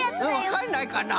わかんないかな？